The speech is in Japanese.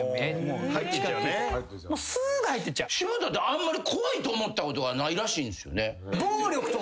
柴田ってあんまり怖いと思ったことがないらしい。